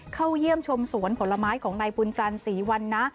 เข้าเยี่ยมชมสวนผลไม้ของนายบุญจันทร์ศรีวันนะ